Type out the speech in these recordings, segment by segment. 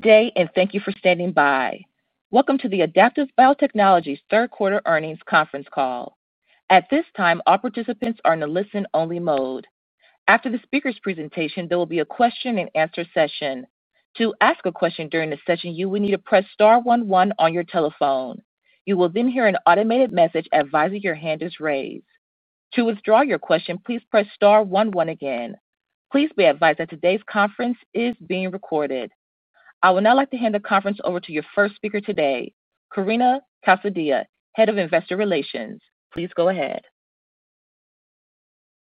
Good day, and thank you for standing by. Welcome to the Adaptive Biotechnologies third-quarter earnings conference call. At this time, all participants are in a listen-only mode. After the speaker's presentation, there will be a question-and-answer session. To ask a question during the session, you will need to press star 11 on your telephone. You will then hear an automated message advising your hand is raised. To withdraw your question, please press star 11 again. Please be advised that today's conference is being recorded. I would now like to hand the conference over to your first speaker today, Karina Calzadilla, Head of Investor Relations. Please go ahead.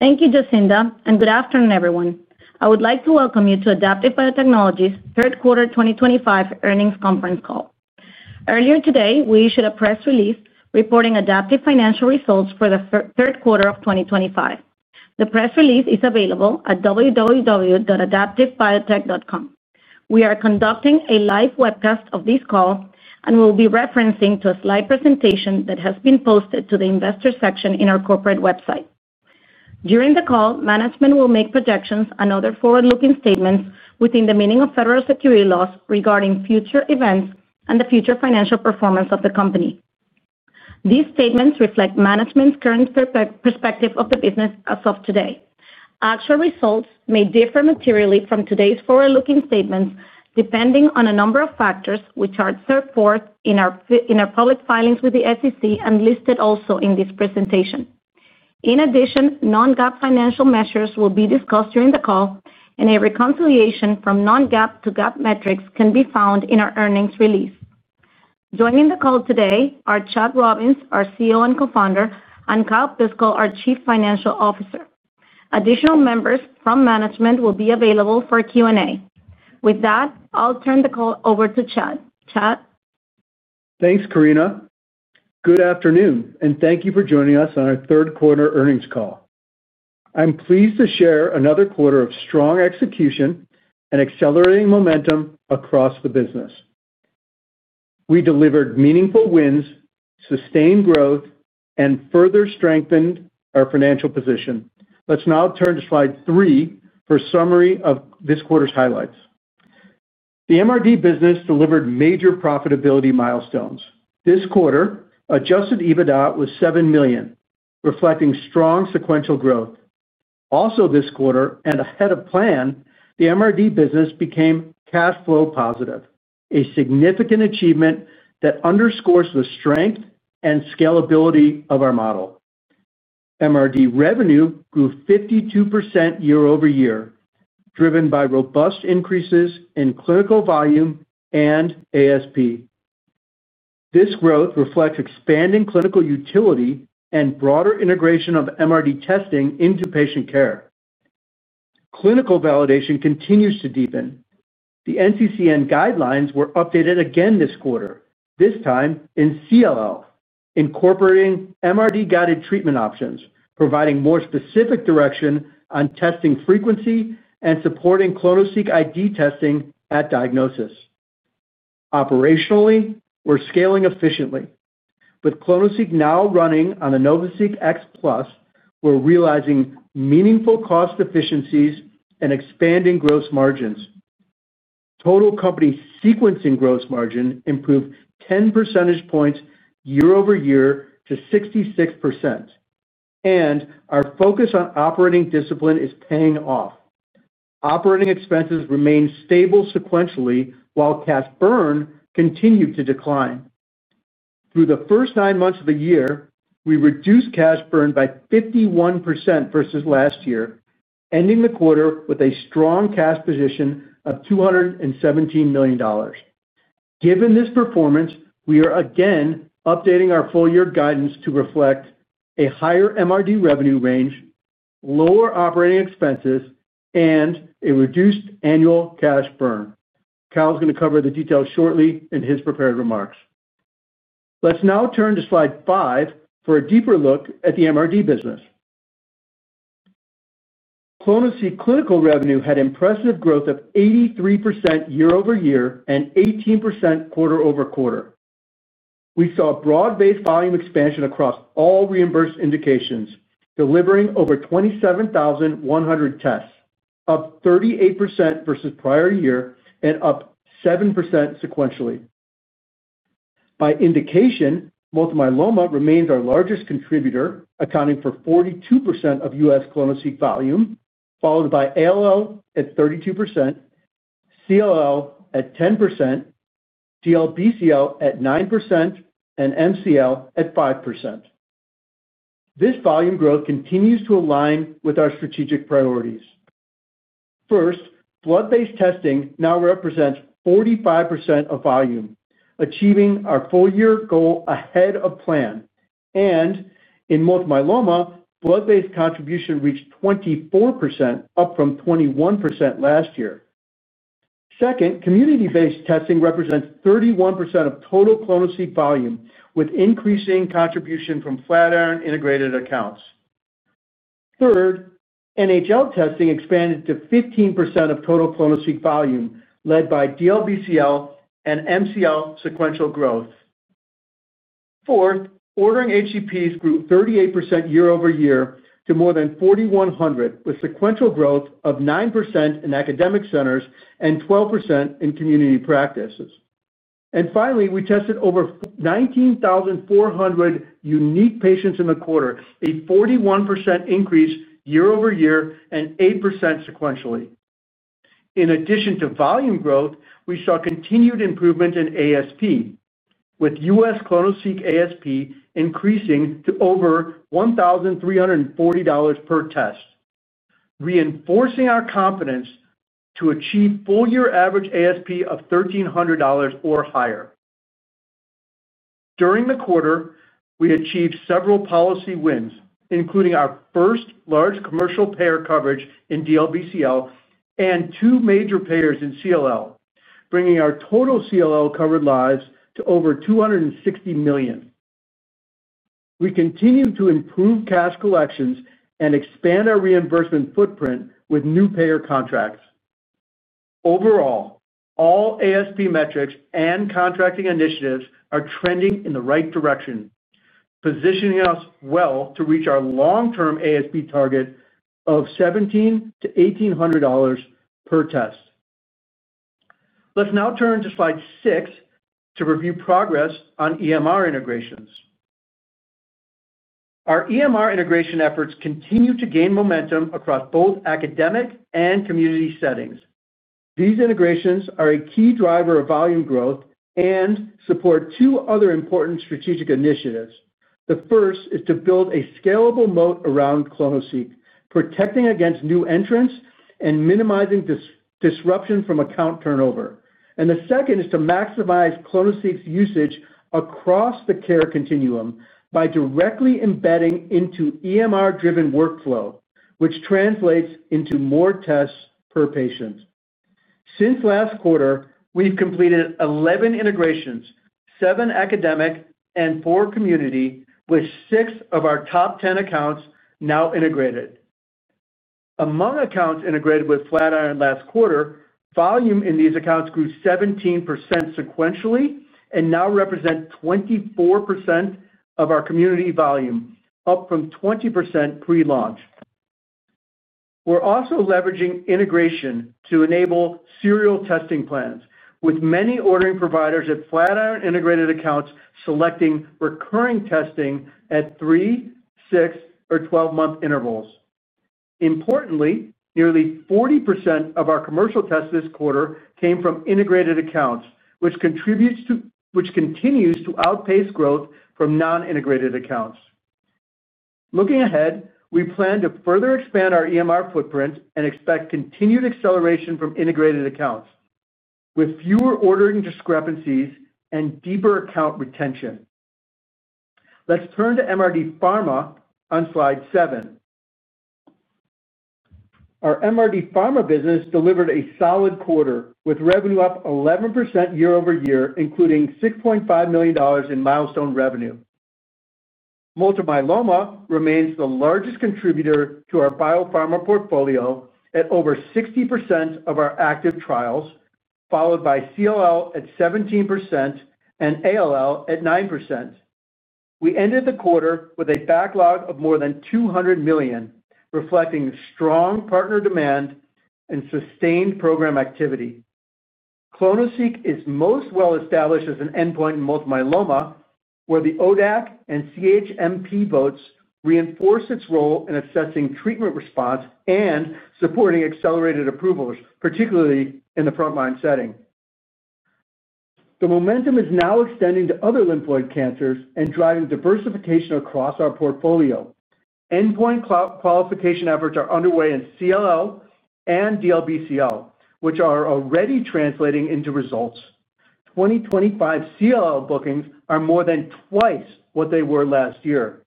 Thank you, Jacinda, and good afternoon, everyone. I would like to welcome you to Adaptive Biotechnologies third-quarter 2025 earnings conference call. Earlier today, we issued a press release reporting Adaptive financial results for the third quarter of 2025. The press release is available at www.adaptivebiotech.com. We are conducting a live webcast of this call and will be referencing a slide presentation that has been posted to the investor section of our corporate website. During the call, management will make projections and other forward-looking statements within the meaning of federal securities laws regarding future events and the future financial performance of the company. These statements reflect management's current perspective of the business as of today. Actual results may differ materially from today's forward-looking statements depending on a number of factors, which are set forth in our public filings with the SEC and listed also in this presentation. In addition, non-GAAP financial measures will be discussed during the call, and a reconciliation from non-GAAP to GAAP metrics can be found in our earnings release. Joining the call today are Chad Robins, our CEO and Co-founder, and Kyle Piskel, our Chief Financial Officer. Additional members from management will be available for Q&A. With that, I'll turn the call over to Chad. Chad? Thanks, Karina. Good afternoon, and thank you for joining us on our third-quarter earnings call. I'm pleased to share another quarter of strong execution and accelerating momentum across the business. We delivered meaningful wins, sustained growth, and further strengthened our financial position. Let's now turn to slide three for a summary of this quarter's highlights. The MRD business delivered major profitability milestones. This quarter, adjusted EBITDA was $7 million, reflecting strong sequential growth. Also, this quarter, and ahead of plan, the MRD business became cash flow positive, a significant achievement that underscores the strength and scalability of our model. MRD revenue grew 52% year-over-year, driven by robust increases in clinical volume and ASP. This growth reflects expanding clinical utility and broader integration of MRD testing into patient care. Clinical validation continues to deepen. The NCCN guidelines were updated again this quarter, this time in CLL, incorporating MRD-guided treatment options, providing more specific direction on testing frequency and supporting clonoSEQ ID testing at diagnosis. Operationally, we're scaling efficiently. With clonoSEQ now running on the NovaSeq X Plus, we're realizing meaningful cost efficiencies and expanding gross margins. Total company sequencing gross margin improved 10 percentage points year-over-year to 66%. Our focus on operating discipline is paying off. Operating expenses remained stable sequentially while cash burn continued to decline. Through the first nine months of the year, we reduced cash burn by 51% versus last year, ending the quarter with a strong cash position of $217 million. Given this performance, we are again updating our full-year guidance to reflect a higher MRD revenue range, lower operating expenses, and a reduced annual cash burn. Kyle's going to cover the details shortly in his prepared remarks. Let's now turn to slide five for a deeper look at the MRD business. ClonoSEQ clinical revenue had impressive growth of 83% year-over-year and 18% quarter-over-quarter. We saw broad-based volume expansion across all reimbursed indications, delivering over 27,100 tests, up 38% versus prior year and up 7% sequentially. By indication, multiple myeloma remains our largest contributor, accounting for 42% of U.S. clonoSEQ volume, followed by ALL at 32%, CLL at 10%, DLBCL at 9%, and MCL at 5%. This volume growth continues to align with our strategic priorities. First, blood-based testing now represents 45% of volume, achieving our full-year goal ahead of plan. In multiple myeloma, blood-based contribution reached 24%, up from 21% last year. Second, community-based testing represents 31% of total clonoSEQ volume, with increasing contribution from Flatiron integrated accounts. Third, NHL testing expanded to 15% of total clonoSEQ volume, led by DLBCL and MCL sequential growth. Fourth, ordering HCPs grew 38% year-over-year to more than 4,100, with sequential growth of 9% in academic centers and 12% in community practices. Finally, we tested over 19,400 unique patients in the quarter, a 41% increase year-over-year and 8% sequentially. In addition to volume growth, we saw continued improvement in ASP, with U.S. clonoSEQ ASP increasing to over $1,340 per test. Reinforcing our confidence to achieve full-year average ASP of $1,300 or higher. During the quarter, we achieved several policy wins, including our first large commercial payer coverage in DLBCL and two major payers in CLL, bringing our total CLL covered lives to over 260 million. We continue to improve cash collections and expand our reimbursement footprint with new payer contracts. Overall, all ASP metrics and contracting initiatives are trending in the right direction, positioning us well to reach our long-term ASP target of $1,700-$1,800 per test. Let's now turn to slide six to review progress on EMR integrations. Our EMR integration efforts continue to gain momentum across both academic and community settings. These integrations are a key driver of volume growth and support two other important strategic initiatives. The first is to build a scalable moat around clonoSEQ, protecting against new entrants and minimizing disruption from account turnover. The second is to maximize clonoSEQ's usage across the care continuum by directly embedding into EMR-driven workflow, which translates into more tests per patient. Since last quarter, we've completed 11 integrations, seven academic and four community, with six of our top 10 accounts now integrated. Among accounts integrated with Flatiron last quarter, volume in these accounts grew 17% sequentially and now represents 24% of our community volume, up from 20% pre-launch. We're also leveraging integration to enable serial testing plans, with many ordering providers at Flatiron integrated accounts selecting recurring testing at 3, 6, or 12-month intervals. Importantly, nearly 40% of our commercial tests this quarter came from integrated accounts, which continues to outpace growth from non-integrated accounts. Looking ahead, we plan to further expand our EMR footprint and expect continued acceleration from integrated accounts, with fewer ordering discrepancies and deeper account retention. Let's turn to MRD pharma on slide seven. Our MRD pharma business delivered a solid quarter, with revenue up 11% year-over-year, including $6.5 million in milestone revenue. Multiple myeloma remains the largest contributor to our biopharma portfolio at over 60% of our active trials, followed by CLL at 17% and ALL at 9%. We ended the quarter with a backlog of more than $200 million, reflecting strong partner demand and sustained program activity. ClonoSEQ is most well established as an endpoint in multiple myeloma, where the ODAC and CHMP votes reinforce its role in assessing treatment response and supporting accelerated approvals, particularly in the frontline setting. The momentum is now extending to other lymphoid cancers and driving diversification across our portfolio. Endpoint qualification efforts are underway in CLL and DLBCL, which are already translating into results. 2025 CLL bookings are more than twice what they were last year.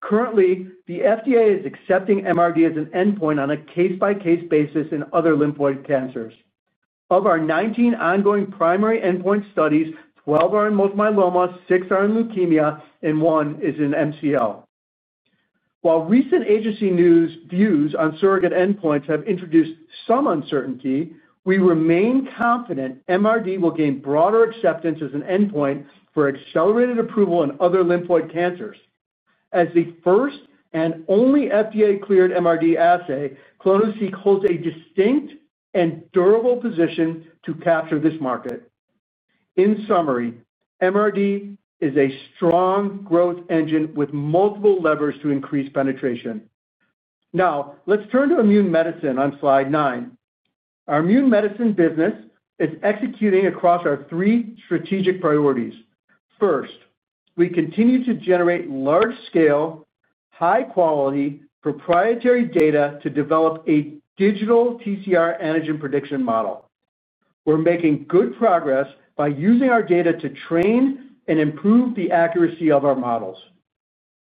Currently, the FDA is accepting MRD as an endpoint on a case-by-case basis in other lymphoid cancers. Of our 19 ongoing primary endpoint studies, 12 are in multiple myeloma, 6 are in leukemia, and 1 is in MCL. While recent agency news views on surrogate endpoints have introduced some uncertainty, we remain confident MRD will gain broader acceptance as an endpoint for accelerated approval in other lymphoid cancers. As the first and only FDA-cleared MRD assay, clonoSEQ holds a distinct and durable position to capture this market. In summary, MRD is a strong growth engine with multiple levers to increase penetration. Now, let's turn to immune medicine on slide nine. Our immune medicine business is executing across our three strategic priorities. First, we continue to generate large-scale, high-quality proprietary data to develop a digital TCR antigen prediction model. We're making good progress by using our data to train and improve the accuracy of our models.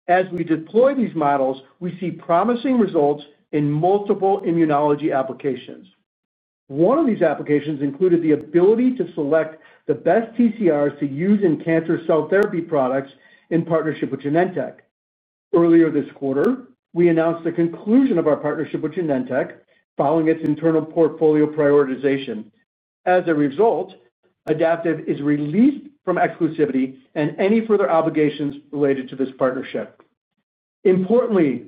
As we deploy these models, we see promising results in multiple immunology applications. One of these applications included the ability to select the best TCRs to use in cancer cell therapy products in partnership with Genentech. Earlier this quarter, we announced the conclusion of our partnership with Genentech following its internal portfolio prioritization. As a result, Adaptive is released from exclusivity and any further obligations related to this partnership. Importantly,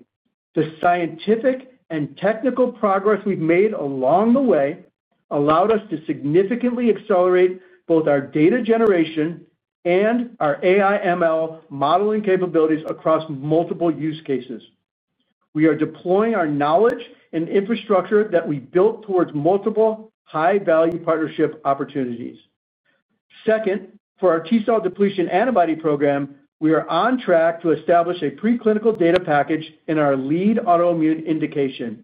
the scientific and technical progress we've made along the way allowed us to significantly accelerate both our data generation and our AI/ML modeling capabilities across multiple use cases. We are deploying our knowledge and infrastructure that we built towards multiple high-value partnership opportunities. Second, for our T cell depletion antibody program, we are on track to establish a preclinical data package in our lead autoimmune indication.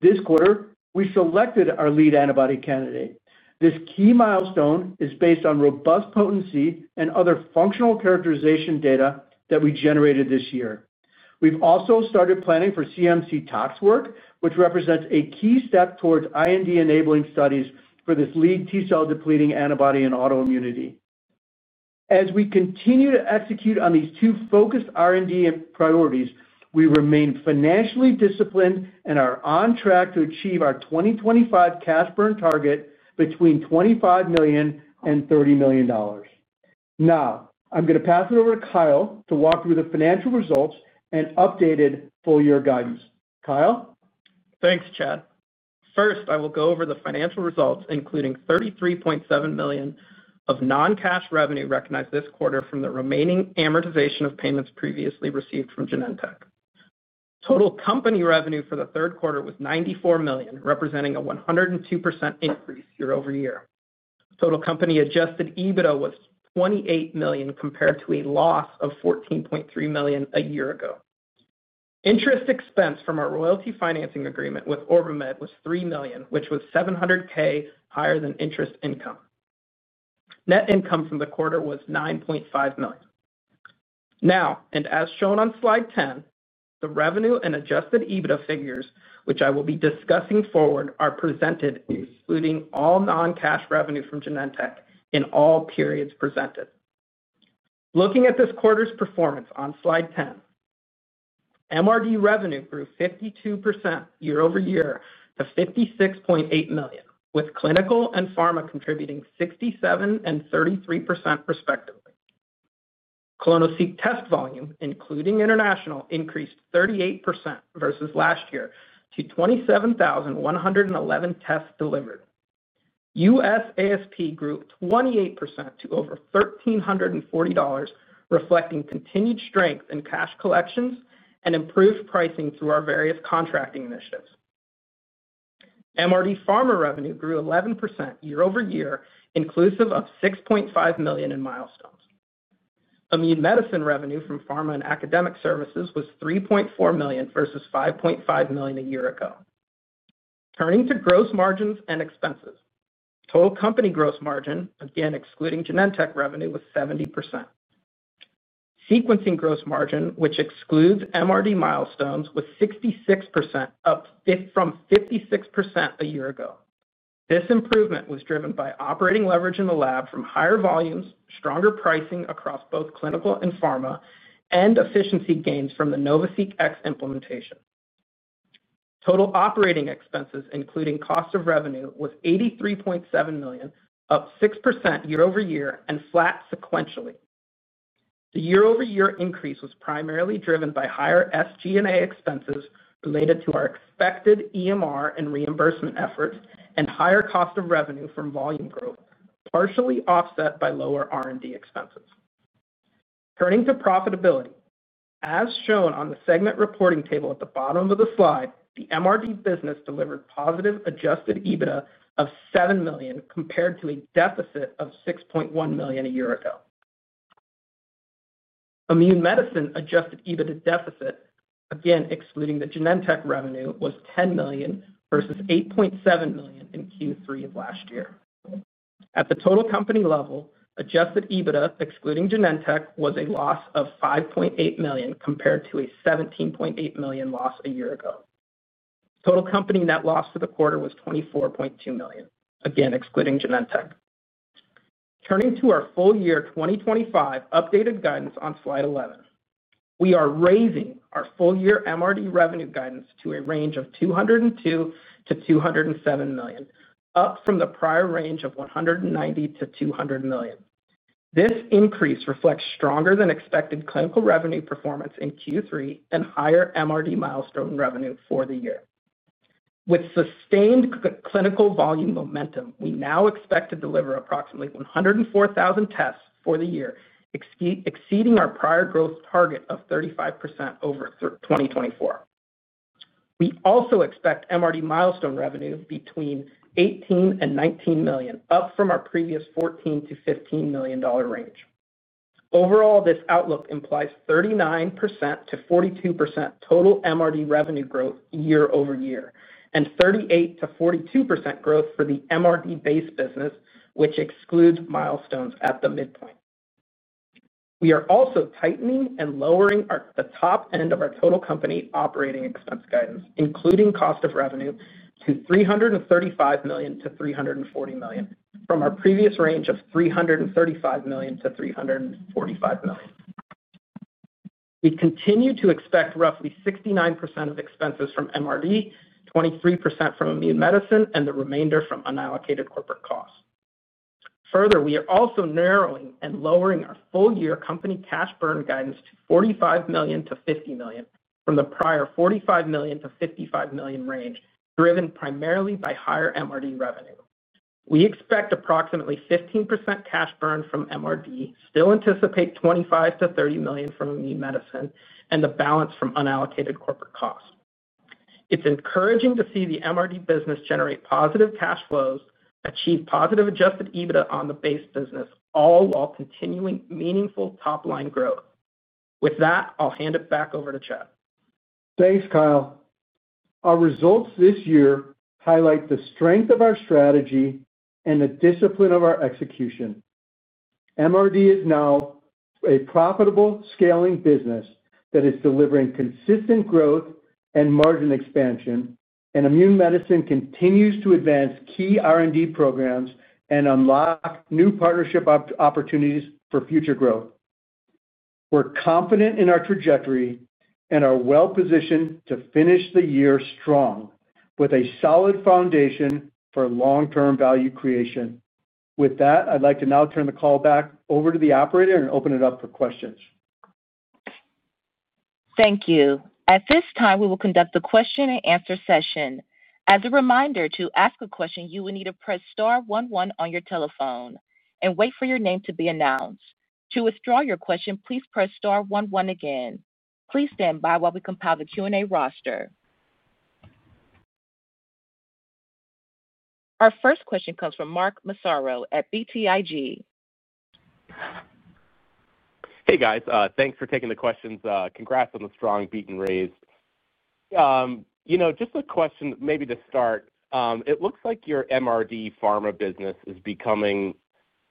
This quarter, we selected our lead antibody candidate. This key milestone is based on robust potency and other functional characterization data that we generated this year. We've also started planning for CMC-tox work, which represents a key step towards IND-enabling studies for this lead T cell depleting antibody in autoimmunity. As we continue to execute on these two focused R&D priorities, we remain financially disciplined and are on track to achieve our 2025 cash burn target between $25 million and $30 million. Now, I'm going to pass it over to Kyle to walk through the financial results and updated full-year guidance. Kyle? Thanks, Chad. First, I will go over the financial results, including $33.7 million of non-cash revenue recognized this quarter from the remaining amortization of payments previously received from Genentech. Total company revenue for the third quarter was $94 million, representing a 102% increase year-over-year. Total company adjusted EBITDA was $28 million compared to a loss of $14.3 million a year ago. Interest expense from our royalty financing agreement with OrbiMed was $3 million, which was $700,000 higher than interest income. Net income from the quarter was $9.5 million. Now, and as shown on slide 10, the revenue and adjusted EBITDA figures, which I will be discussing forward, are presented, excluding all non-cash revenue from Genentech in all periods presented. Looking at this quarter's performance on slide 10, MRD revenue grew 52% year-over-year to $56.8 million, with clinical and pharma contributing 67% and 33% respectively. ClonoSEQ test volume, including international, increased 38% versus last year to 27,111 tests delivered. U.S. ASP grew 28% to over $1,340, reflecting continued strength in cash collections and improved pricing through our various contracting initiatives. MRD pharma revenue grew 11% year-over-year, inclusive of $6.5 million in milestones. Immune medicine revenue from pharma and academic services was $3.4 million versus $5.5 million a year ago. Turning to gross margins and expenses. Total company gross margin, again excluding Genentech revenue, was 70%. Sequencing gross margin, which excludes MRD milestones, was 66%, up from 56% a year ago. This improvement was driven by operating leverage in the lab from higher volumes, stronger pricing across both clinical and pharma, and efficiency gains from the NovaSeq X Plus implementation. Total operating expenses, including cost of revenue, was $83.7 million, up 6% year-over-year and flat sequentially. The year-over-year increase was primarily driven by higher SG&A expenses related to our expected EMR and reimbursement efforts and higher cost of revenue from volume growth, partially offset by lower R&D expenses. Turning to profitability. As shown on the segment reporting table at the bottom of the slide, the MRD business delivered positive adjusted EBITDA of $7 million compared to a deficit of $6.1 million a year ago. Immune medicine adjusted EBITDA deficit, again excluding the Genentech revenue, was $10 million versus $8.7 million in Q3 of last year. At the total company level, adjusted EBITDA, excluding Genentech, was a loss of $5.8 million compared to a $17.8 million loss a year ago. Total company net loss for the quarter was $24.2 million, again excluding Genentech. Turning to our full-year 2025 updated guidance on slide 11. We are raising our full-year MRD revenue guidance to a range of $202 million-$207 million, up from the prior range of $190 million-$200 million. This increase reflects stronger than expected clinical revenue performance in Q3 and higher MRD milestone revenue for the year. With sustained clinical volume momentum, we now expect to deliver approximately 104,000 tests for the year, exceeding our prior growth target of 35% over 2024. We also expect MRD milestone revenue between $18 million and $19 million, up from our previous $14 million-$15 million range. Overall, this outlook implies 39%-42% total MRD revenue growth year-over-year and 38%-42% growth for the MRD-based business, which excludes milestones at the midpoint. We are also tightening and lowering the top end of our total company operating expense guidance, including cost of revenue, to $335 million-$340 million, from our previous range of $335 million-$345 million. We continue to expect roughly 69% of expenses from MRD, 23% from immune medicine, and the remainder from unallocated corporate costs. Further, we are also narrowing and lowering our full-year company cash burn guidance to $45 million-$50 million from the prior $45 million-$55 million range, driven primarily by higher MRD revenue. We expect approximately 15% cash burn from MRD, still anticipate $25 million-$30 million from immune medicine, and the balance from unallocated corporate costs. It's encouraging to see the MRD business generate positive cash flows, achieve positive adjusted EBITDA on the base business, all while continuing meaningful top-line growth. With that, I'll hand it back over to Chad. Thanks, Kyle. Our results this year highlight the strength of our strategy and the discipline of our execution. MRD is now a profitable scaling business that is delivering consistent growth and margin expansion, and immune medicine continues to advance key R&D programs and unlock new partnership opportunities for future growth. We're confident in our trajectory and are well-positioned to finish the year strong, with a solid foundation for long-term value creation. With that, I'd like to now turn the call back over to the operator and open it up for questions. Thank you. At this time, we will conduct the question-and-answer session. As a reminder, to ask a question, you will need to press Star 11 on your telephone and wait for your name to be announced. To withdraw your question, please press Star 11 again. Please stand by while we compile the Q&A roster. Our first question comes from Mark Massaro at BTIG. Hey, guys. Thanks for taking the questions. Congrats on the strong [beat and raise]. Just a question, maybe to start, it looks like your MRD pharma business is becoming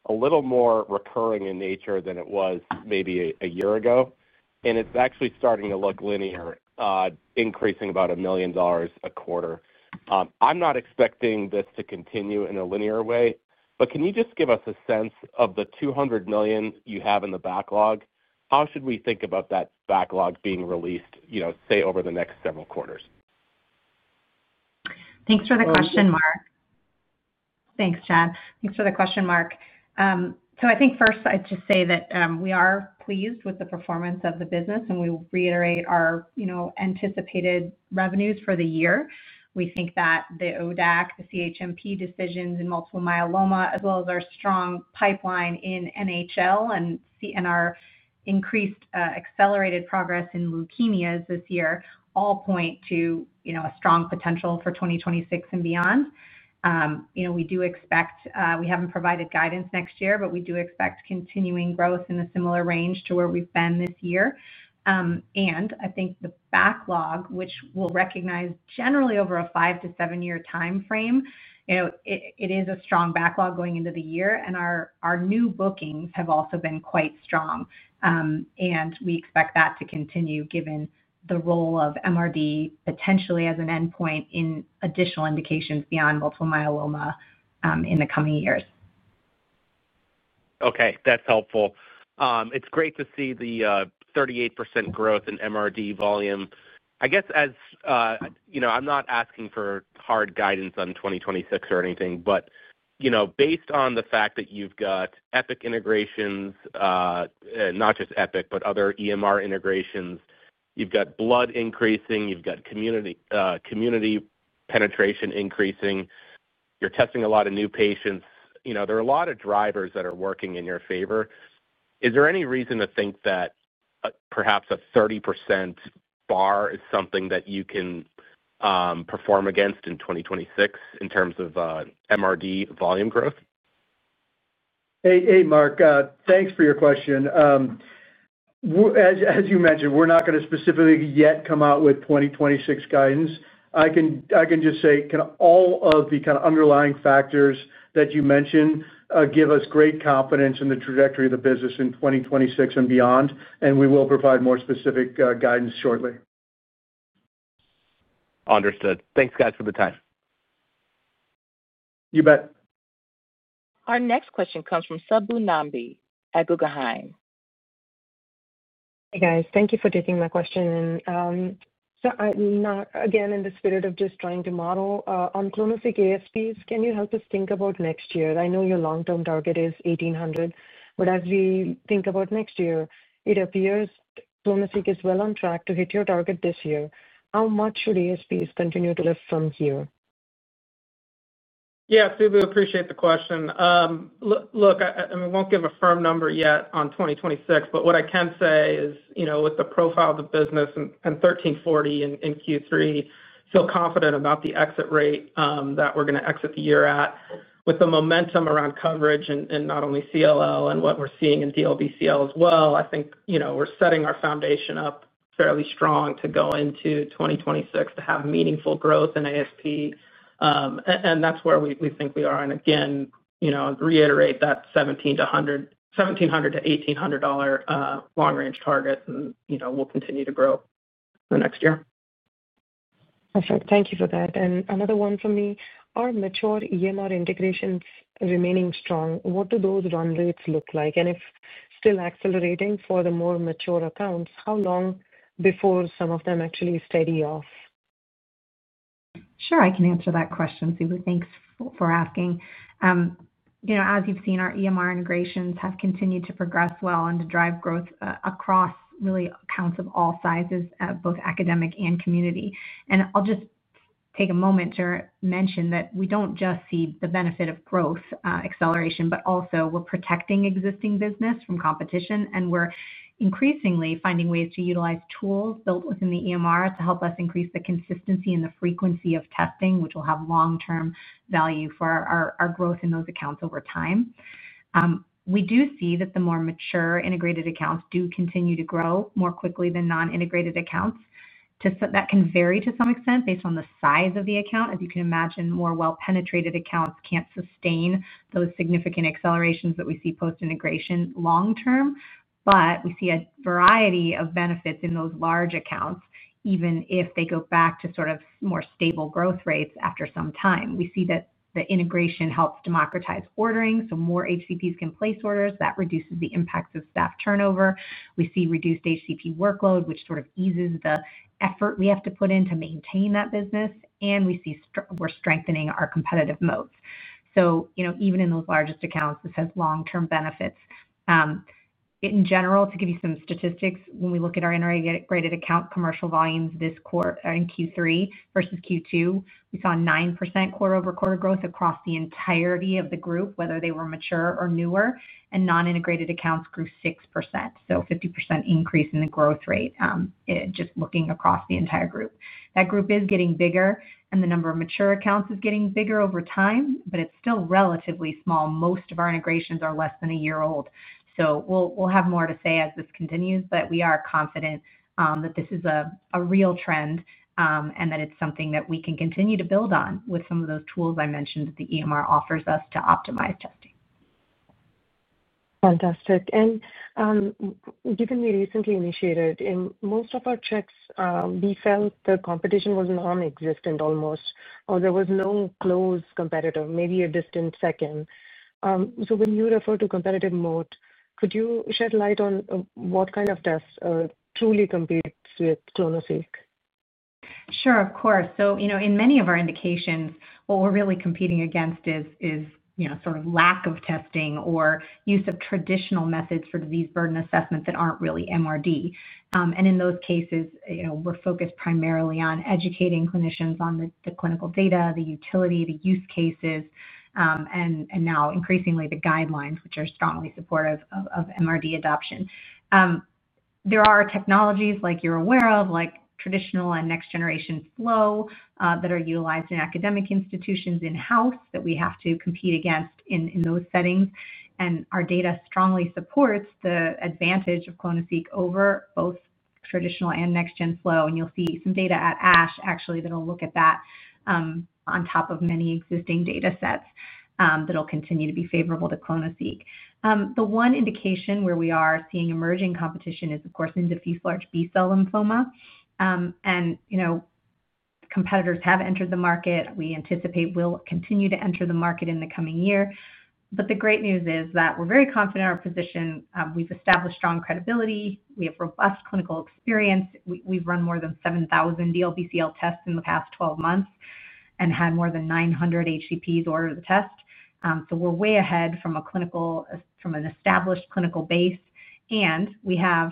a little more recurring in nature than it was maybe a year ago, and it's actually starting to look linear, increasing about $1 million a quarter. I'm not expecting this to continue in a linear way, but can you just give us a sense of the $200 million you have in the backlog? How should we think about that backlog being released, say, over the next several quarters? Thanks for the question, Mark. Thanks, Chad. Thanks for the question, Mark. So I think first I'd just say that we are pleased with the performance of the business, and we reiterate our anticipated revenues for the year. We think that the ODAC, the CHMP decisions in multiple myeloma, as well as our strong pipeline in NHL and our increased accelerated progress in leukemias this year all point to a strong potential for 2026 and beyond. We do expect—we have not provided guidance next year—but we do expect continuing growth in a similar range to where we have been this year. I think the backlog, which we will recognize generally over a five to seven-year time frame, it is a strong backlog going into the year, and our new bookings have also been quite strong. We expect that to continue given the role of MRD potentially as an endpoint in additional indications beyond multiple myeloma in the coming years. Okay. That is helpful. It is great to see the 38% growth in MRD volume. I guess as. I am not asking for hard guidance on 2026 or anything, but based on the fact that you've got Epic integrations, not just Epic, but other EMR integrations, you've got blood increasing, you've got community penetration increasing, you're testing a lot of new patients. There are a lot of drivers that are working in your favor. Is there any reason to think that perhaps a 30% bar is something that you can perform against in 2026 in terms of MRD volume growth? Hey, Mark. Thanks for your question. As you mentioned, we're not going to specifically yet come out with 2026 guidance. I can just say, all of the kind of underlying factors that you mentioned give us great confidence in the trajectory of the business in 2026 and beyond, and we will provide more specific guidance shortly. Understood. Thanks, guys, for the time. You bet. Our next question comes from Subbu Nambi at Guggenheim. Hey, guys. Thank you for taking my question. In the spirit of just trying to model on clonoSEQ ASPs, can you help us think about next year? I know your long-term target is $1,800. As we think about next year, it appears clonoSEQ is well on track to hit your target this year. How much should ASPs continue to lift from here? Yeah, Subbu, appreciate the question. Look, I won't give a firm number yet on 2026, but what I can say is, with the profile of the business and $1,340 in Q3, I feel confident about the exit rate that we're going to exit the year at. With the momentum around coverage and not only CLL and what we're seeing in DLBCL as well, I think we're setting our foundation up fairly strong to go into 2026 to have meaningful growth in ASP. That's where we think we are. Again, to reiterate that $1,700-$1,800 long-range target, and we'll continue to grow the next year. Perfect. Thank you for that. Another one for me. Are mature EMR integrations remaining strong? What do those run rates look like? If still accelerating for the more mature accounts, how long before some of them actually steady off? Sure. I can answer that question, Subbu. Thanks for asking. As you've seen, our EMR integrations have continued to progress well and to drive growth across really accounts of all sizes, both academic and community. I will just take a moment to mention that we do not just see the benefit of growth acceleration, but also we are protecting existing business from competition, and we are increasingly finding ways to utilize tools built within the EMR to help us increase the consistency and the frequency of testing, which will have long-term value for our growth in those accounts over time. We do see that the more mature integrated accounts do continue to grow more quickly than non-integrated accounts. That can vary to some extent based on the size of the account. As you can imagine, more well-penetrated accounts cannot sustain those significant accelerations that we see post-integration long-term, but we see a variety of benefits in those large accounts, even if they go back to sort of more stable growth rates after some time. We see that the integration helps democratize ordering, so more HCPs can place orders. That reduces the impacts of staff turnover. We see reduced HCP workload, which sort of eases the effort we have to put in to maintain that business. We see we're strengthening our competitive moats. Even in those largest accounts, this has long-term benefits. In general, to give you some statistics, when we look at our integrated account commercial volumes this quarter in Q3 versus Q2, we saw a 9% quarter-over-quarter growth across the entirety of the group, whether they were mature or newer. Non-integrated accounts grew 6%, so a 50% increase in the growth rate just looking across the entire group. That group is getting bigger, and the number of mature accounts is getting bigger over time, but it's still relatively small. Most of our integrations are less than a year old. We will have more to say as this continues, but we are confident that this is a real trend and that it is something that we can continue to build on with some of those tools I mentioned that the EMR offers us to optimize testing. Fantastic. Given we recently initiated, in most of our checks, we felt the competition was nonexistent almost, or there was no close competitor, maybe a distant second. When you refer to competitive moat, could you shed light on what kind of tests truly compete with clonoSEQ? Sure, of course. In many of our indications, what we are really competing against is sort of lack of testing or use of traditional methods for disease burden assessment that are not really MRD. In those cases, we are focused primarily on educating clinicians on the clinical data, the utility, the use cases. Now increasingly the guidelines, which are strongly supportive of MRD adoption. There are technologies, like you're aware of, like traditional and next-generation flow that are utilized in academic institutions in-house that we have to compete against in those settings. Our data strongly supports the advantage of clonoSEQ over both traditional and next-gen flow. You'll see some data at ASH, actually, that'll look at that on top of many existing data sets that'll continue to be favorable to clonoSEQ. The one indication where we are seeing emerging competition is, of course, in diffuse large B-cell lymphoma. Competitors have entered the market. We anticipate will continue to enter the market in the coming year. The great news is that we're very confident in our position. We've established strong credibility. We have robust clinical experience. We've run more than 7,000 DLBCL tests in the past 12 months and had more than 900 HCPs order the test. We are way ahead from an established clinical base. We have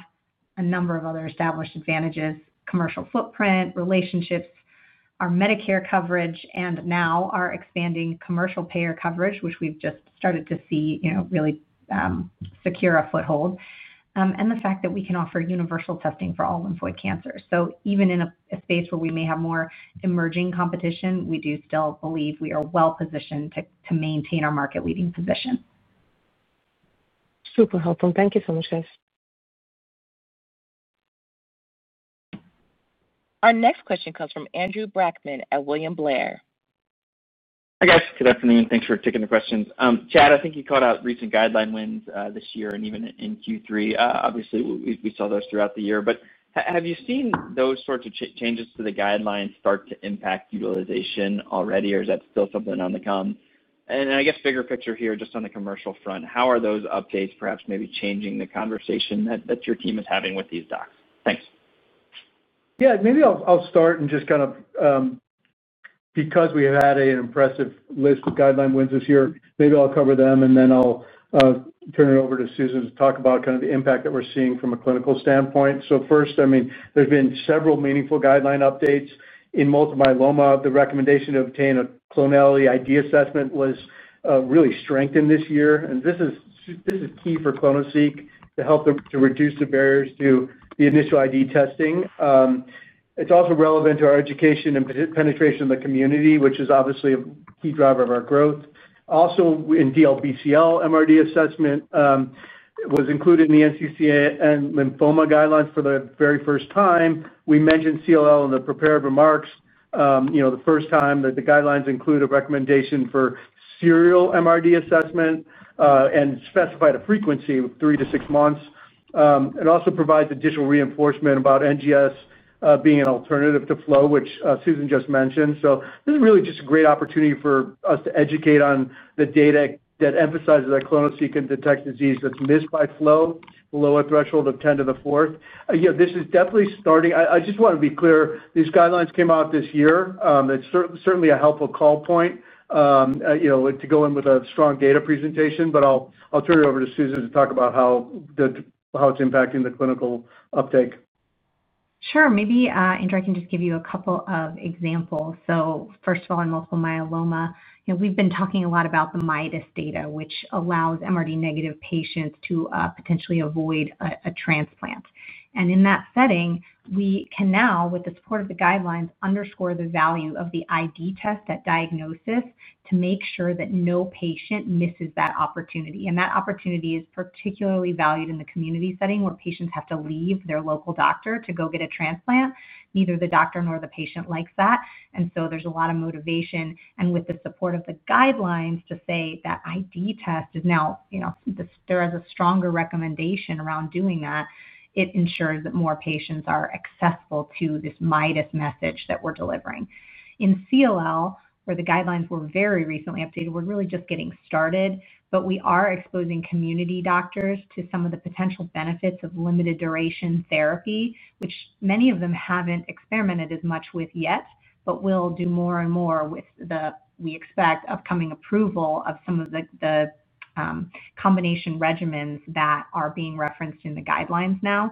a number of other established advantages: commercial footprint, relationships, our Medicare coverage, and now our expanding commercial payer coverage, which we've just started to see really secure a foothold. The fact that we can offer universal testing for all lymphoid cancers means even in a space where we may have more emerging competition, we do still believe we are well-positioned to maintain our market-leading position. Super helpful. Thank you so much, guys. Our next question comes from Andrew Brackmann at William Blair. Hi, guys. Good afternoon. Thanks for taking the questions. Chad, I think you called out recent guideline wins this year and even in Q3. Obviously, we saw those throughout the year. Have you seen those sorts of changes to the guidelines start to impact utilization already, or is that still something on the come? I guess bigger picture here, just on the commercial front, how are those updates perhaps maybe changing the conversation that your team is having with these docs? Thanks. Yeah. Maybe I'll start and just kind of. Because we have had an impressive list of guideline wins this year, maybe I'll cover them, and then I'll turn it over to Susan to talk about kind of the impact that we're seeing from a clinical standpoint. First, I mean, there's been several meaningful guideline updates. In multiple myeloma, the recommendation to obtain a clonality ID assessment was really strengthened this year. This is key for clonoSEQ to help to reduce the barriers to the initial ID testing. It's also relevant to our education and penetration of the community, which is obviously a key driver of our growth. Also, in DLBCL, MRD assessment was included in the NCCN lymphoma guidelines for the very first time. We mentioned CLL in the prepared remarks the first time that the guidelines include a recommendation for serial MRD assessment and specified a frequency of three to six months. It also provides additional reinforcement about NGS being an alternative to flow, which Susan just mentioned. This is really just a great opportunity for us to educate on the data that emphasizes that clonoSEQ can detect disease that's missed by flow below a threshold of 10 to the fourth. This is definitely starting—I just want to be clear—these guidelines came out this year. It's certainly a helpful call point to go in with a strong data presentation, but I'll turn it over to Susan to talk about how it's impacting the clinical uptake. Sure. Maybe, Andrew, I can just give you a couple of examples. First of all, in multiple myeloma, we've been talking a lot about the MIDAS data, which allows MRD-negative patients to potentially avoid a transplant. In that setting, we can now, with the support of the guidelines, underscore the value of the ID test at diagnosis to make sure that no patient misses that opportunity. That opportunity is particularly valued in the community setting where patients have to leave their local doctor to go get a transplant. Neither the doctor nor the patient likes that. There is a lot of motivation, and with the support of the guidelines to say that ID test is now. There is a stronger recommendation around doing that. It ensures that more patients are accessible to this MIDAS message that we're delivering. In CLL, where the guidelines were very recently updated, we're really just getting started, but we are exposing community doctors to some of the potential benefits of limited duration therapy, which many of them haven't experimented as much with yet, but will do more and more with the, we expect, upcoming approval of some of the combination regimens that are being referenced in the guidelines now.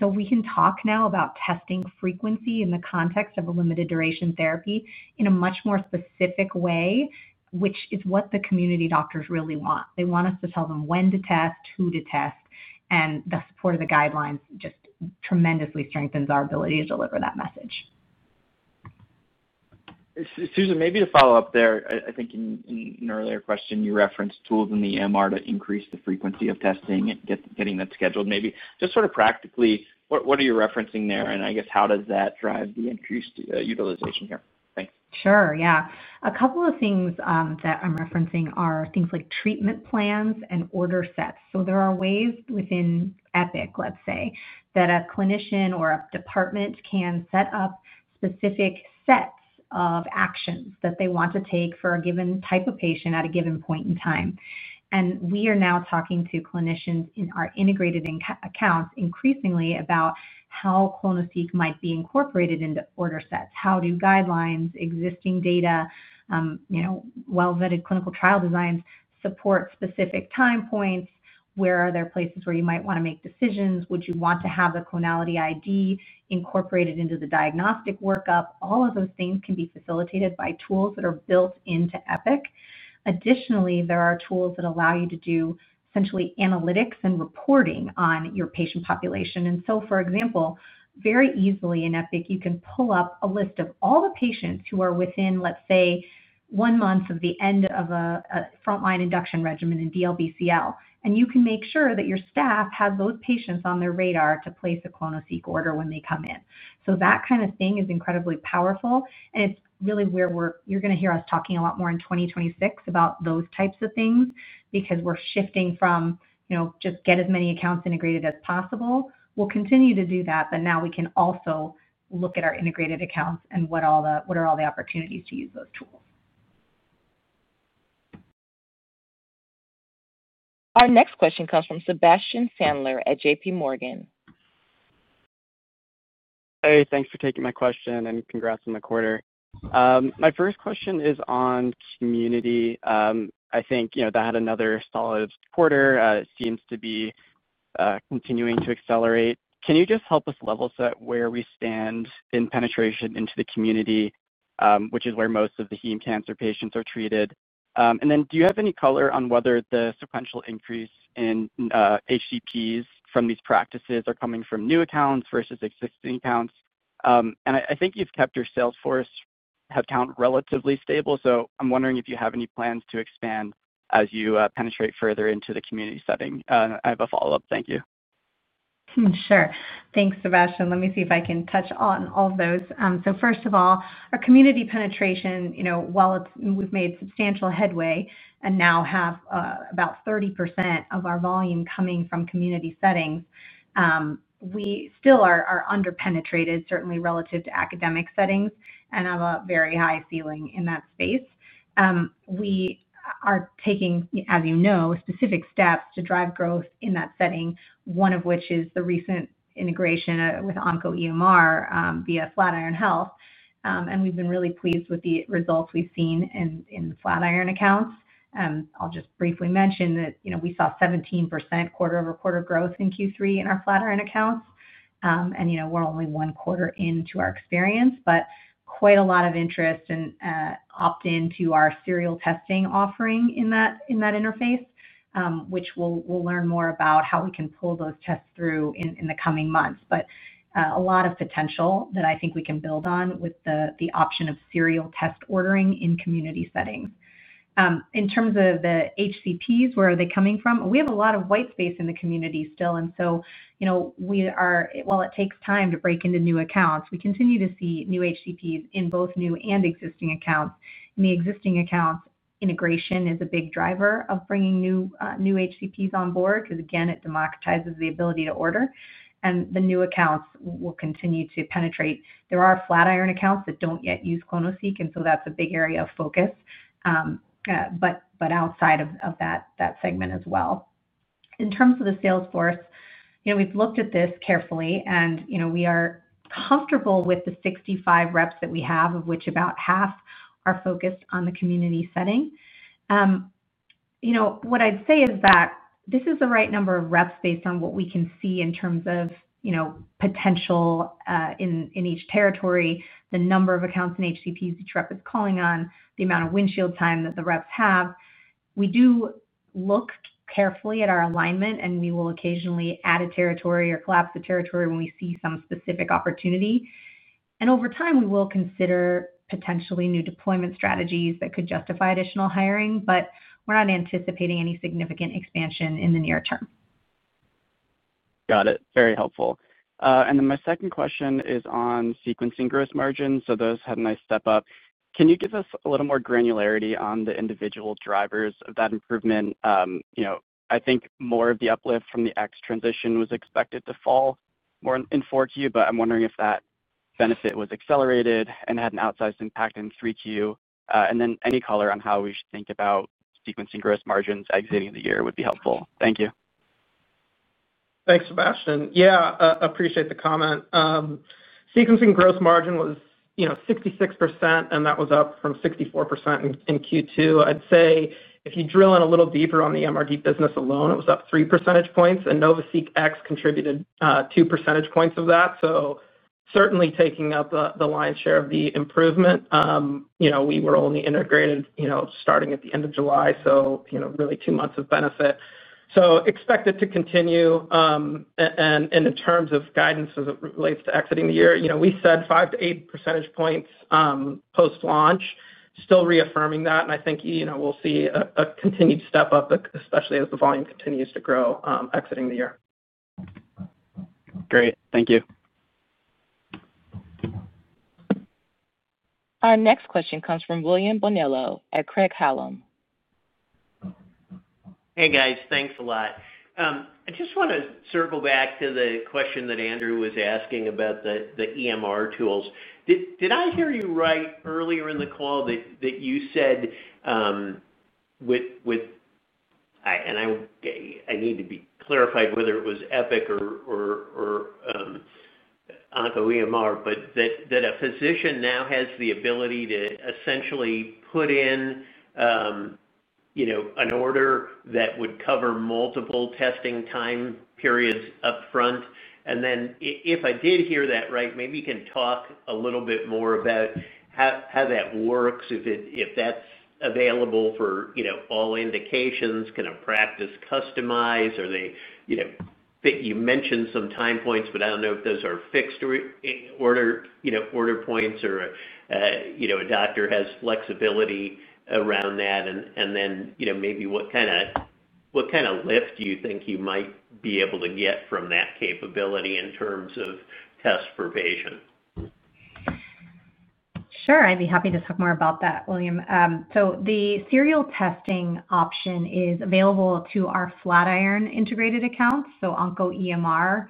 We can talk now about testing frequency in the context of a limited duration therapy in a much more specific way, which is what the community doctors really want. They want us to tell them when to test, who to test, and the support of the guidelines just tremendously strengthens our ability to deliver that message. Susan, maybe to follow up there, I think in an earlier question, you referenced tools in the EMR to increase the frequency of testing, getting that scheduled. Maybe just sort of practically, what are you referencing there? I guess how does that drive the increased utilization here? Thanks. Sure. Yeah. A couple of things that I'm referencing are things like treatment plans and order sets. There are ways within Epic, let's say, that a clinician or a department can set up specific sets of actions that they want to take for a given type of patient at a given point in time. We are now talking to clinicians in our integrated accounts increasingly about how clonoSEQ might be incorporated into order sets. How do guidelines, existing data, well-vetted clinical trial designs, support specific time points? Where are there places where you might want to make decisions? Would you want to have the clonality ID incorporated into the diagnostic workup? All of those things can be facilitated by tools that are built into Epic. Additionally, there are tools that allow you to do essentially analytics and reporting on your patient population. For example, very easily in Epic, you can pull up a list of all the patients who are within, let's say, one month of the end of a frontline induction regimen in DLBCL, and you can make sure that your staff has those patients on their radar to place a clonoSEQ order when they come in. That kind of thing is incredibly powerful. It is really where you're going to hear us talking a lot more in 2026 about those types of things because we're shifting from just get as many accounts integrated as possible. We'll continue to do that, but now we can also look at our integrated accounts and what are all the opportunities to use those tools. Our next question comes from Sebastian Sandler at JPMorgan. Hey, thanks for taking my question and congrats on the quarter. My first question is on community. I think that had another solid quarter. It seems to be continuing to accelerate. Can you just help us level set where we stand in penetration into the community, which is where most of the heme cancer patients are treated? Do you have any color on whether the sequential increase in HCPs from these practices are coming from new accounts versus existing accounts? I think you've kept your sales force account relatively stable, so I'm wondering if you have any plans to expand as you penetrate further into the community setting. I have a follow-up. Thank you. Sure. Thanks, Sebastian. Let me see if I can touch on all of those. First of all, our community penetration, while we've made substantial headway and now have about 30% of our volume coming from community settings, we still are under-penetrated, certainly relative to academic settings, and have a very high ceiling in that space. We are taking, as you know, specific steps to drive growth in that setting, one of which is the recent integration with OncoEMR via Flatiron Health. We've been really pleased with the results we've seen in the Flatiron accounts. I'll just briefly mention that we saw 17% quarter-over-quarter growth in Q3 in our Flatiron accounts. We're only one quarter into our experience, but quite a lot of interest in opting into our serial testing offering in that interface, which we'll learn more about how we can pull those tests through in the coming months. A lot of potential that I think we can build on with the option of serial test ordering in community settings. In terms of the HCPs, where are they coming from? We have a lot of white space in the community still. While it takes time to break into new accounts, we continue to see new HCPs in both new and existing accounts. In the existing accounts, integration is a big driver of bringing new HCPs on board because, again, it democratizes the ability to order. The new accounts will continue to penetrate. There are Flatiron accounts that do not yet use clonoSEQ, and that is a big area of focus, but outside of that segment as well. In terms of the sales force, we have looked at this carefully, and we are comfortable with the 65 reps that we have, of which about half are focused on the community setting. What I would say is that this is the right number of reps based on what we can see in terms of potential in each territory, the number of accounts and HCPs each rep is calling on, and the amount of windshield time that the reps have. We do look carefully at our alignment, and we will occasionally add a territory or collapse a territory when we see some specific opportunity. Over time, we will consider potentially new deployment strategies that could justify additional hiring, but we're not anticipating any significant expansion in the near term. Got it. Very helpful. My second question is on sequencing gross margins. Those had a nice step up. Can you give us a little more granularity on the individual drivers of that improvement? I think more of the uplift from the X transition was expected to fall more in 4Q, but I'm wondering if that benefit was accelerated and had an outsized impact in 3Q. Any color on how we should think about sequencing gross margins exiting the year would be helpful. Thank you. Thanks, Sebastian. I appreciate the comment. Sequencing gross margin was 66%, and that was up from 64% in Q2. I'd say if you drill in a little deeper on the MRD business alone, it was up 3 percentage points, and NovaSeq X contributed 2 percentage points of that. Certainly taking up the lion's share of the improvement. We were only integrated starting at the end of July, so really two months of benefit. Expect it to continue. In terms of guidance as it relates to exiting the year, we said 5-8 percentage points post-launch. Still reaffirming that. I think we'll see a continued step up, especially as the volume continues to grow exiting the year. Great. Thank you. Our next question comes from William Bonello at Craig-Hallum. Hey, guys. Thanks a lot. I just want to circle back to the question that Andrew was asking about the EMR tools. Did I hear you right earlier in the call that you said? I need to be clarified whether it was Epic or OncoEMR, but that a physician now has the ability to essentially put in an order that would cover multiple testing time periods upfront. If I did hear that right, maybe you can talk a little bit more about how that works, if that's available for all indications. Can a practice customize, or they—you mentioned some time points, but I do not know if those are fixed order points or a doctor has flexibility around that. Maybe what kind of lift do you think you might be able to get from that capability in terms of tests per patient? Sure. I'd be happy to talk more about that, William. The serial testing option is available to our Flatiron integrated accounts. OncoEMR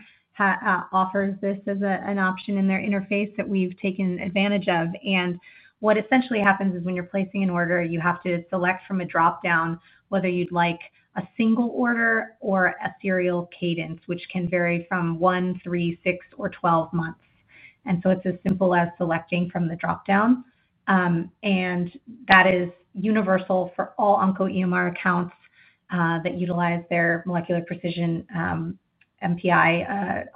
offers this as an option in their interface that we've taken advantage of. What essentially happens is when you're placing an order, you have to select from a dropdown whether you'd like a single order or a serial cadence, which can vary from one, three, six, or 12 months. It is as simple as selecting from the dropdown. That is universal for all OncoEMR accounts that utilize their molecular precision MPI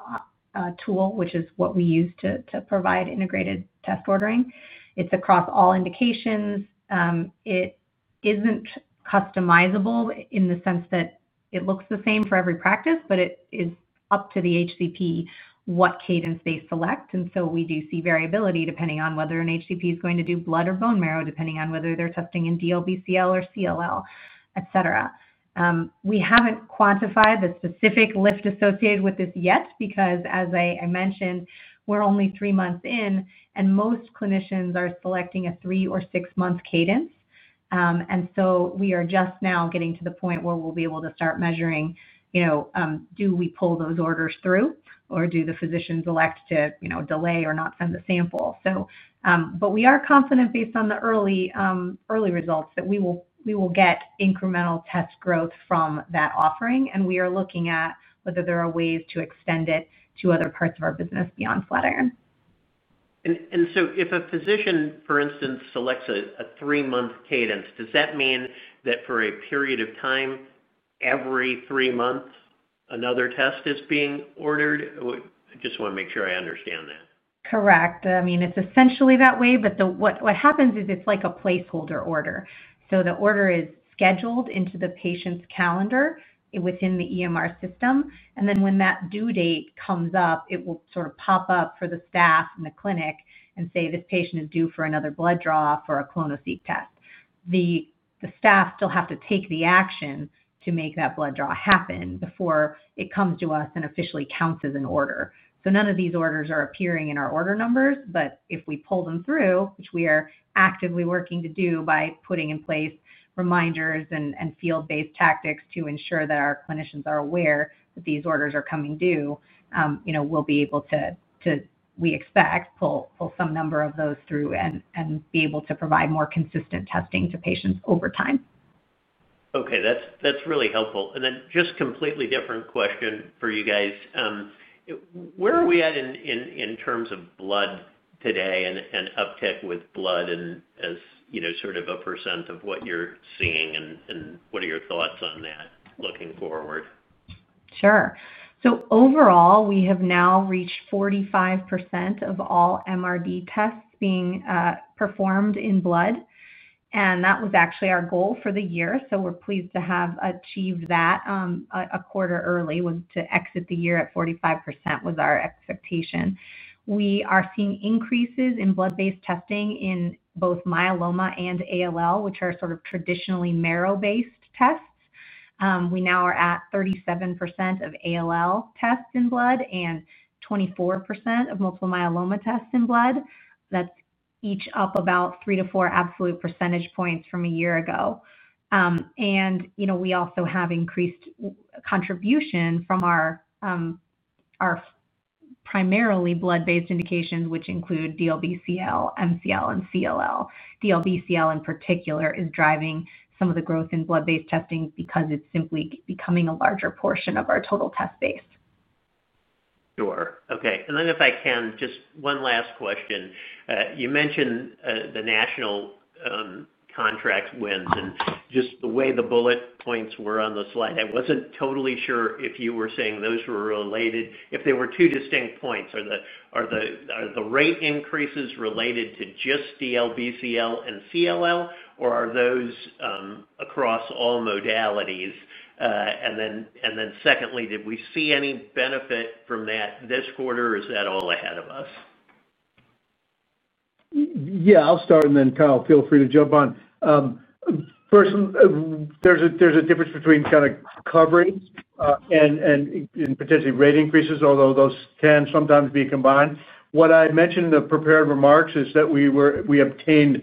tool, which is what we use to provide integrated test ordering. It is across all indications. It is not customizable in the sense that it looks the same for every practice, but it is up to the HCP what cadence they select. We do see variability depending on whether an HCP is going to do blood or bone marrow, depending on whether they're testing in DLBCL or CLL, etc. We haven't quantified the specific lift associated with this yet because, as I mentioned, we're only three months in, and most clinicians are selecting a three or six-month cadence. We are just now getting to the point where we'll be able to start measuring. Do we pull those orders through, or do the physicians elect to delay or not send the sample? We are confident based on the early results that we will get incremental test growth from that offering. We are looking at whether there are ways to extend it to other parts of our business beyond Flatiron. If a physician, for instance, selects a three-month cadence, does that mean that for a period of time, every three months, another test is being ordered? I just want to make sure I understand that. Correct. I mean, it's essentially that way, but what happens is it's like a placeholder order. The order is scheduled into the patient's calendar within the EMR system. When that due date comes up, it will sort of pop up for the staff in the clinic and say, "This patient is due for another blood draw for a clonoSEQ test." The staff still have to take the action to make that blood draw happen before it comes to us and officially counts as an order. None of these orders are appearing in our order numbers, but if we pull them through, which we are actively working to do by putting in place reminders and field-based tactics to ensure that our clinicians are aware that these orders are coming due, we'll be able to, we expect, pull some number of those through and be able to provide more consistent testing to patients over time. Okay. That's really helpful. Then just a completely different question for you guys. Where are we at in terms of blood today and uptick with blood and as sort of a percent of what you're seeing and what are your thoughts on that looking forward? Sure. Overall, we have now reached 45% of all MRD tests being performed in blood. That was actually our goal for the year, so we're pleased to have achieved that. A quarter early was to exit the year at 45% was our expectation. We are seeing increases in blood-based testing in both myeloma and ALL, which are sort of traditionally marrow-based tests. We now are at 37% of ALL tests in blood and 24% of multiple myeloma tests in blood. That's each up about three to four absolute percentage points from a year ago. We also have increased contribution from our primarily blood-based indications, which include DLBCL, MCL, and CLL. DLBCL, in particular, is driving some of the growth in blood-based testing because it's simply becoming a larger portion of our total test base. Sure. Okay. If I can, just one last question. You mentioned the national contract wins. Just the way the bullet points were on the slide, I wasn't totally sure if you were saying those were related. If they were two distinct points, are the rate increases related to just DLBCL and CLL, or are those across all modalities? Secondly, did we see any benefit from that this quarter, or is that all ahead of us? Yeah, I'll start, and then Kyle, feel free to jump on. First. There's a difference between kind of coverage and potentially rate increases, although those can sometimes be combined. What I mentioned in the prepared remarks is that we obtained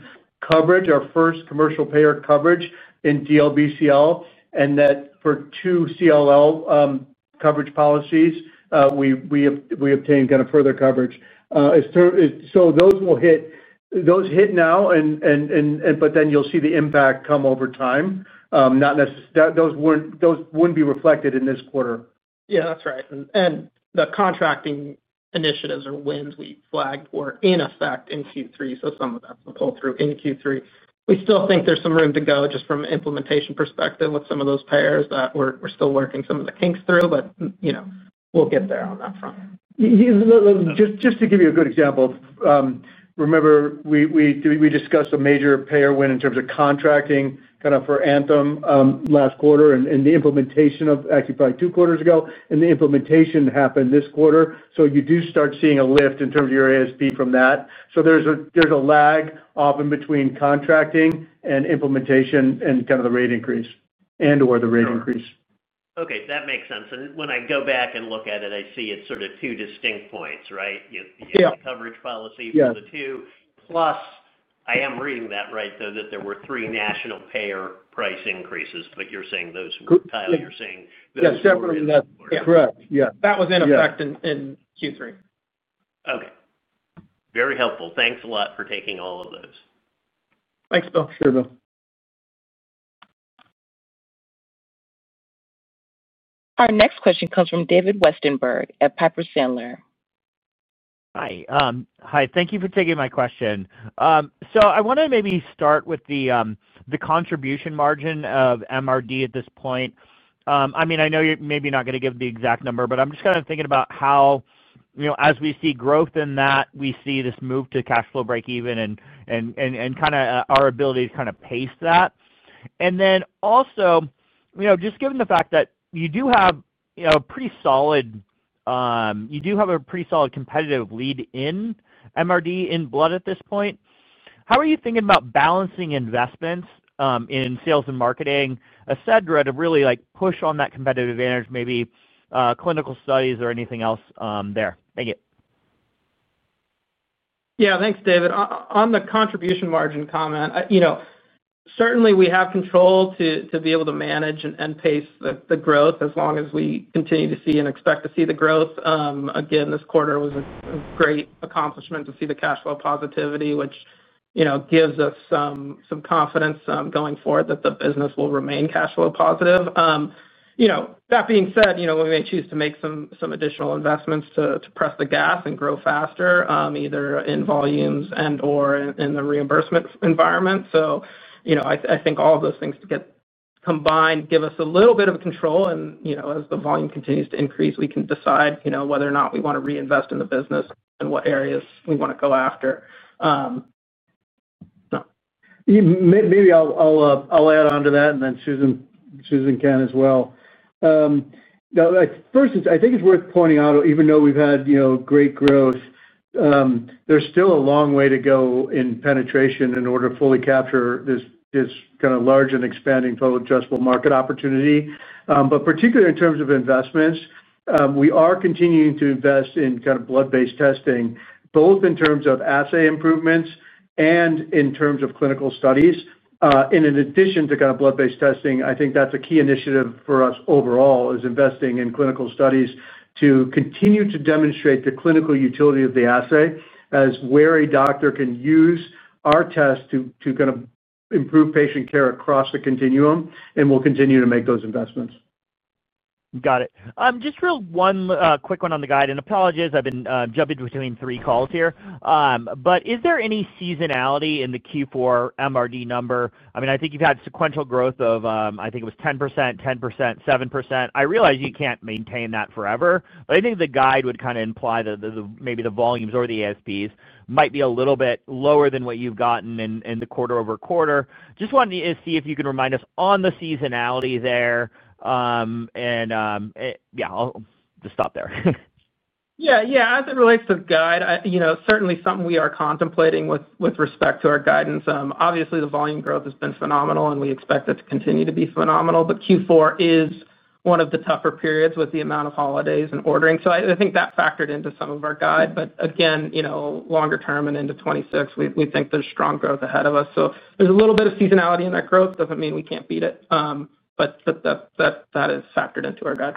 coverage, our first commercial payer coverage in DLBCL, and that for two CLL coverage policies. We obtained kind of further coverage. So those will hit now, but then you'll see the impact come over time. Those wouldn't be reflected in this quarter. Yeah, that's right. And the contracting initiatives or wins we flagged were in effect in Q3, so some of that will pull through in Q3. We still think there's some room to go just from an implementation perspective with some of those payers that we're still working some of the kinks through, but we'll get there on that front. Just to give you a good example. Remember, we discussed a major payer win in terms of contracting kind of for Anthem last quarter and the implementation of actually probably two quarters ago, and the implementation happened this quarter. You do start seeing a lift in terms of your ASP from that. There is a lag often between contracting and implementation and kind of the rate increase and/or the rate increase. Okay. That makes sense. When I go back and look at it, I see it is sort of two distinct points, right? You have coverage policies for the two. Plus, I am reading that right, though, that there were three national payer price increases, but you are saying those, Kyle, you are saying those two quarters. Yeah, definitely that. Correct. That was in effect in Q3. Okay. Very helpful. Thanks a lot for taking all of those. Thanks, Bill. Sure, Bill. Our next question comes from David Westenberg at Piper Sandler. Hi. Thank you for taking my question. I want to maybe start with the contribution margin of MRD at this point. I mean, I know you're maybe not going to give the exact number, but I'm just kind of thinking about how as we see growth in that, we see this move to cash flow breakeven and kind of our ability to pace that. Also, just given the fact that you do have a pretty solid competitive lead in MRD in blood at this point, how are you thinking about balancing investments in sales and marketing, etc., to really push on that competitive advantage, maybe clinical studies or anything else there? Thank you. Yeah. Thanks, David. On the contribution margin comment. Certainly, we have control to be able to manage and pace the growth as long as we continue to see and expect to see the growth. Again, this quarter was a great accomplishment to see the cash flow positivity, which gives us some confidence going forward that the business will remain cash flow positive. That being said, we may choose to make some additional investments to press the gas and grow faster, either in volumes and/or in the reimbursement environment. I think all of those things combined give us a little bit of control. And as the volume continues to increase, we can decide whether or not we want to reinvest in the business and what areas we want to go after. Maybe I'll add on to that, and then Susan can as well. First, I think it's worth pointing out, even though we've had great growth. There's still a long way to go in penetration in order to fully capture this kind of large and expanding total addressable market opportunity. Particularly in terms of investments, we are continuing to invest in kind of blood-based testing, both in terms of assay improvements and in terms of clinical studies. In addition to kind of blood-based testing, I think that's a key initiative for us overall, investing in clinical studies to continue to demonstrate the clinical utility of the assay as where a doctor can use our test to kind of improve patient care across the continuum. We'll continue to make those investments. Got it. Just real one quick one on the guide. Apologies, I've been jumping between three calls here. Is there any seasonality in the Q4 MRD number? I mean, I think you've had sequential growth of, I think it was 10%, 10%, 7%. I realize you can't maintain that forever. I think the guide would kind of imply that maybe the volumes or the ASPs might be a little bit lower than what you've gotten in the quarter-over-quarter. Just wanted to see if you could remind us on the seasonality there. Yeah, I'll just stop there. Yeah. As it relates to the guide, certainly something we are contemplating with respect to our guidance. Obviously, the volume growth has been phenomenal, and we expect it to continue to be phenomenal. Q4 is one of the tougher periods with the amount of holidays and ordering. I think that factored into some of our guide. Again, longer term and into 2026, we think there's strong growth ahead of us. There's a little bit of seasonality in that growth. Doesn't mean we can't beat it. That is factored into our guide.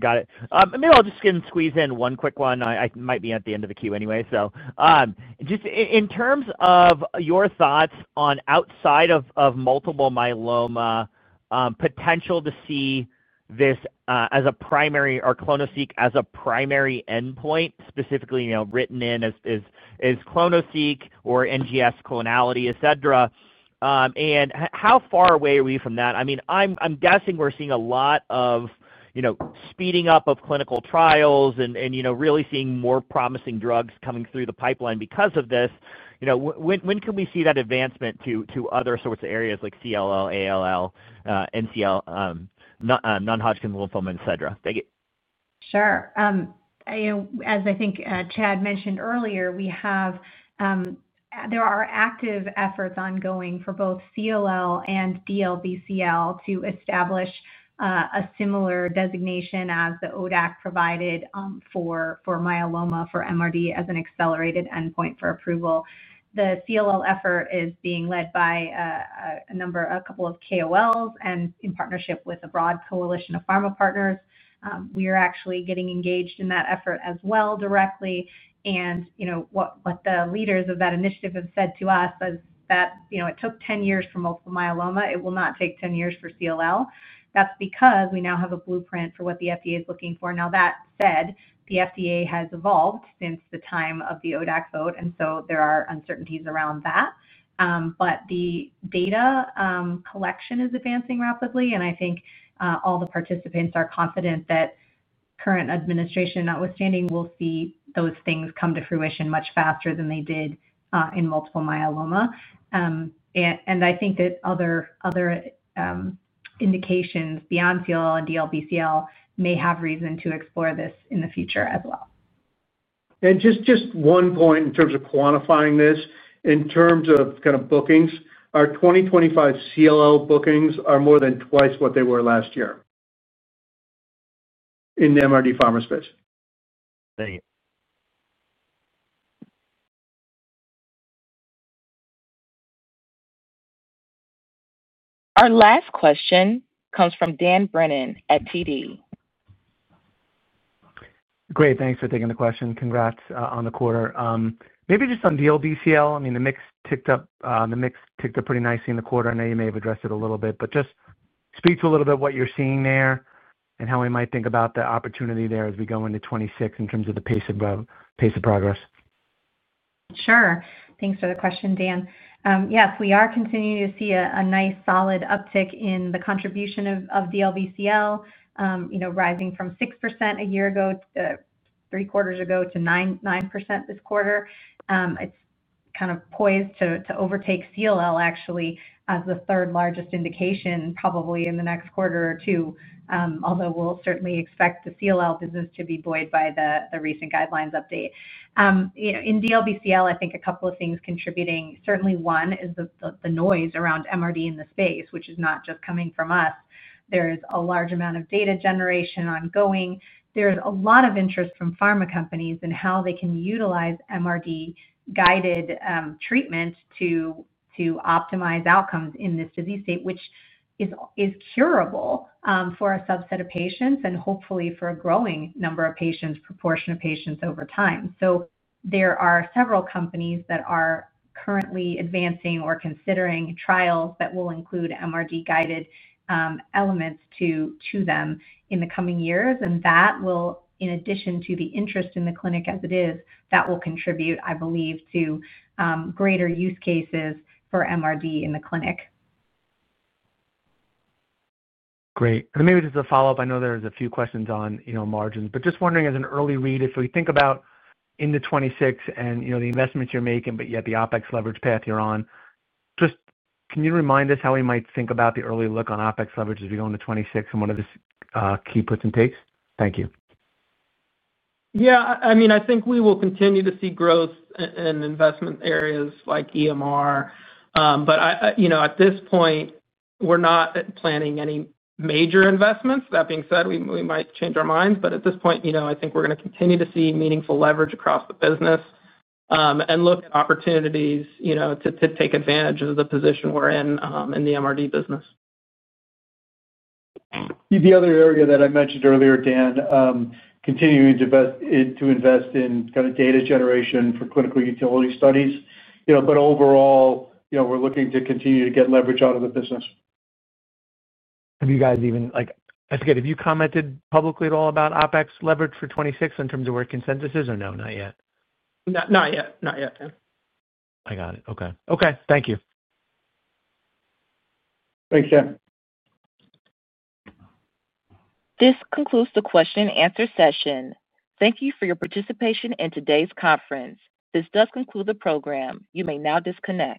Got it. Maybe I'll just squeeze in one quick one. I might be at the end of the queue anyway. Just in terms of your thoughts on outside of multiple myeloma. Potential to see this as a primary or clonoSEQ as a primary endpoint, specifically written in as clonoSEQ or NGS clonality, etc. How far away are we from that? I mean, I'm guessing we're seeing a lot of speeding up of clinical trials and really seeing more promising drugs coming through the pipeline because of this. When can we see that advancement to other sorts of areas like CLL, ALL, MCL, non-Hodgkin's lymphoma, etc.? Thank you. Sure. As I think Chad mentioned earlier, there are active efforts ongoing for both CLL and DLBCL to establish a similar designation as the ODAC provided for myeloma for MRD as an accelerated endpoint for approval. The CLL effort is being led by a couple of KOLs and in partnership with a broad coalition of pharma partners. We're actually getting engaged in that effort as well directly. What the leaders of that initiative have said to us is that it took 10 years for multiple myeloma. It will not take 10 years for CLL. That's because we now have a blueprint for what the FDA is looking for. That said, the FDA has evolved since the time of the ODAC vote, and there are uncertainties around that. The data collection is advancing rapidly, and I think all the participants are confident that, current administration notwithstanding, we'll see those things come to fruition much faster than they did in multiple myeloma. I think that other indications beyond CLL and DLBCL may have reason to explore this in the future as well. Just one point in terms of quantifying this. In terms of kind of bookings, our 2025 CLL bookings are more than twice what they were last year in the MRD pharma space. Thank you. Our last question comes from Dan Brennan at TD. Great. Thanks for taking the question. Congrats on the quarter. Maybe just on DLBCL. I mean, the mix ticked up. The mix ticked up pretty nicely in the quarter. I know you may have addressed it a little bit, but just speak to a little bit of what you're seeing there and how we might think about the opportunity there as we go into 2026 in terms of the pace of progress. Sure. Thanks for the question, Dan. Yes, we are continuing to see a nice solid uptick in the contribution of DLBCL, rising from 6% a year ago, three quarters ago, to 9% this quarter. It's kind of poised to overtake CLL, actually, as the third largest indication probably in the next quarter or two, although we'll certainly expect the CLL business to be buoyed by the recent guidelines update. In DLBCL, I think a couple of things contributing. Certainly, one is the noise around MRD in the space, which is not just coming from us. There is a large amount of data generation ongoing. There is a lot of interest from pharma companies in how they can utilize MRD-guided treatment to optimize outcomes in this disease state, which is curable for a subset of patients and hopefully for a growing number of patients, proportion of patients over time. There are several companies that are currently advancing or considering trials that will include MRD-guided elements to them in the coming years. In addition to the interest in the clinic as it is, that will contribute, I believe, to greater use cases for MRD in the clinic. Great. Maybe just a follow-up. I know there's a few questions on margins, but just wondering, as an early read, if we think about into 2026 and the investments you're making, but yet the OpEx leverage path you're on, just can you remind us how we might think about the early look on OpEx leverage as we go into 2026 and what are the key puts and takes? Thank you. Yeah. I mean, I think we will continue to see growth in investment areas like EMR. At this point, we're not planning any major investments. That being said, we might change our minds. At this point, I think we're going to continue to see meaningful leverage across the business. We look at opportunities to take advantage of the position we're in in the MRD business. The other area that I mentioned earlier, Dan, continuing to invest in kind of data generation for clinical utility studies. Overall, we're looking to continue to get leverage out of the business. Have you guys even—I forget. Have you commented publicly at all about OpEx leverage for 2026 in terms of where consensus is? Or no, not yet? Not yet. Not yet, Dan. I got it. Okay. Okay. Thank you. Thanks, Chad. This concludes the question-and-answer session. Thank you for your participation in today's conference. This does conclude the program. You may now disconnect.